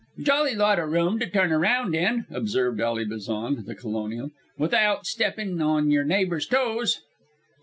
"Jolly lot o' room to turn raound in," observed Ally Bazan, the colonial, "withaout steppin' on y'r neighbour's toes."